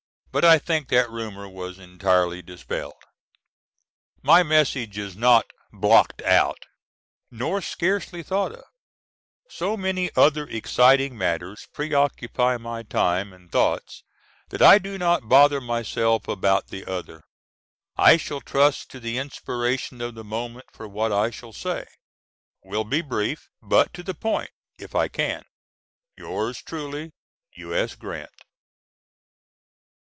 But I think that rumor was entirely dispelled. My Message is not "blocked out," nor scarcely thought of. So many other exciting matters preoccupy my time and thoughts that I do not bother myself about the other. I shall trust to the inspiration of the moment for what I shall say. Will be brief, but to the point if I can. Yours truly, U.S. GRANT.